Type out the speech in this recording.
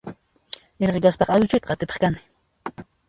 Irqi kaspaqa awichuyta qatipaq kani